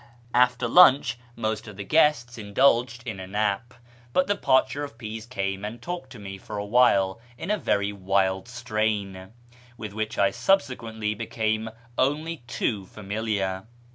After lunch most of the guests indulged in a nap, but the parcher of peas came and talked to me for a while in a very wild strain, with which I subsequently became only too familiar.